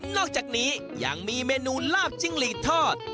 อกจากนี้ยังมีเมนูลาบจิ้งหลีดทอด